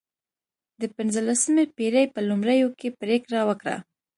د پنځلسمې پېړۍ په لومړیو کې پرېکړه وکړه.